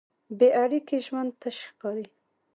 بېاړیکې ژوند تش ښکاري.